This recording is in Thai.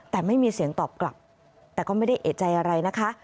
แต่ไม่มีเสียงตอบกลับแต่ก็ไม่ได้เอกใจอะไรนะคะ